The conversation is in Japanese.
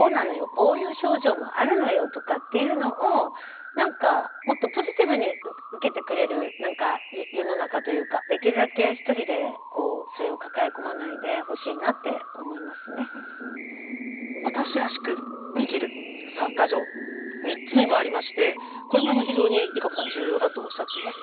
こういう症状もあるのよ」とかっていうのを何かもっとポジティブに受けてくれる世の中というかできるだけ私らしく生きる３か条３つ目もありましてこれも非常にＲＩＫＡＣＯさん重要だとおっしゃっています。